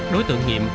đối tượng nhiệm